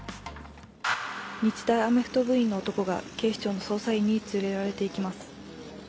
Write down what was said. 日大アメフト部員の男が警視庁の捜査員に連れられていきます。